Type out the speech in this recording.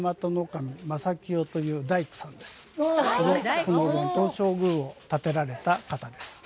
はいこの久能山東照宮を建てられた方です